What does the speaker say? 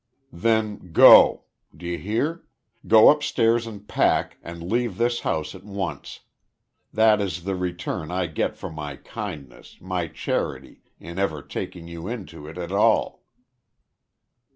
"Then go. D'you hear. Go upstairs and pack, and leave this house at once. That is the return I get for my kindness my charity in ever taking you into it at all."